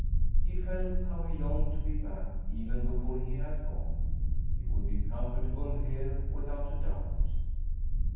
He felt how he longed to be back even before he had gone. He would be comfortable here without a doubt.